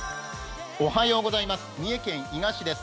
三重県伊賀市です。